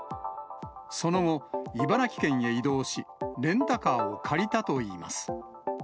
その後、茨城県へ移動し、レンタカーを借りたといいます。